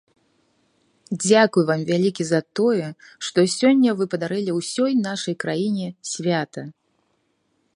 Дзякуй вам вялікі за тое, што сёння вы падарылі ўсёй нашай краіне свята.